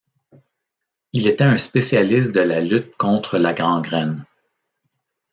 Il était un spécialiste de la lutte contre la gangrène.